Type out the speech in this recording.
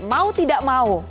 mau tidak mau